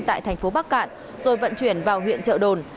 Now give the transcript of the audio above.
tại thành phố bắc cạn rồi vận chuyển vào huyện trợ đồn